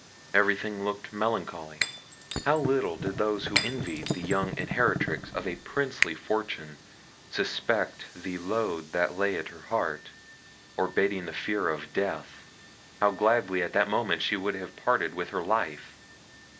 Everything looked melancholy. How little did those who envied the young inheritrex of a princely fortune suspect the load that lay at her heart, or, bating the fear of death, how gladly at that moment she would have parted with her life!